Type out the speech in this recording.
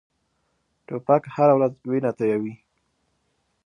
توپک هره ورځ وینه تویوي.